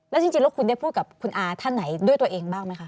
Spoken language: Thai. แล้วจริงแล้วคุณได้พูดกับคุณอาท่านไหนด้วยตัวเองบ้างไหมคะ